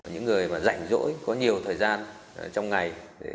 những người mà rảnh rỗi có nhiều thời gian trong ngày